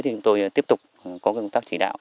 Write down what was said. chúng tôi tiếp tục có công tác chỉ đạo